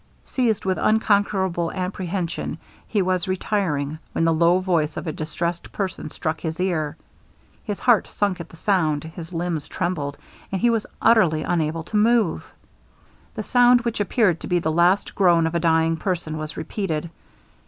Seized with unconquerable apprehension, he was retiring, when the low voice of a distressed person struck his ear. His heart sunk at the sound, his limbs trembled, and he was utterly unable to move. The sound which appeared to be the last groan of a dying person, was repeated.